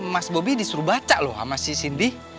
mas bobi disuruh baca loh sama si cindy